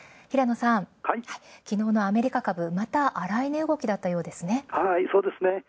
平野さん、きのうのアメリカ株、また荒い値動きだったみたいですね。